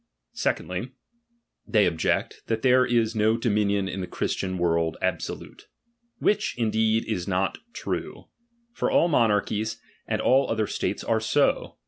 Secondly, they object, that there is »D dominion in the Christian world absolute. Which, indeed, is not true ; for all monarchies, and ail other states, are so.